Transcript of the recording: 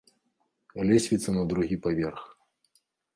Лесвіца на другі паверх.